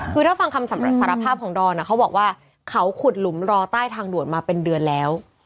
คือถ้าฟังคำรับสารภาพของดอนเขาบอกว่าเขาขุดหลุมรอใต้ทางด่วนมาเป็นเดือนแล้ว